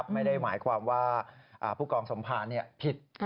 ไม่ได้หมายความว่าผู้กองสมภารผิด